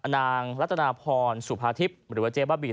นางรัตนาพรสุภาทิพย์หรือว่าเจ๊บ้าบี